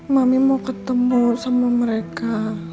mami mau ketemu sama mereka